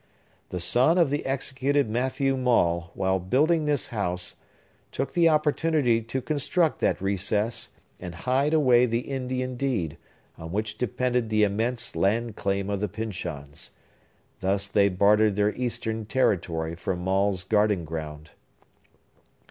The son of the executed Matthew Maule, while building this house, took the opportunity to construct that recess, and hide away the Indian deed, on which depended the immense land claim of the Pyncheons. Thus they bartered their eastern territory for Maule's garden ground."